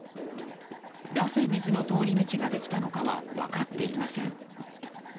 なぜ水の通り道ができたかは分かっていません。